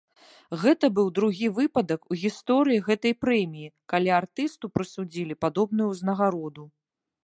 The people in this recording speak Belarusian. Гэта быў другі выпадак у гісторыі гэтай прэміі, калі артысту прысудзілі падобную ўзнагароду.